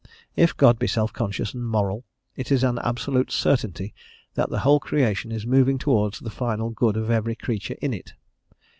If God be self conscious and moral, it is an absolute certainty that the whole creation is moving towards the final good of every creature in it.